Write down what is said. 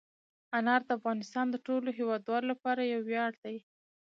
انار د افغانستان د ټولو هیوادوالو لپاره یو ویاړ دی.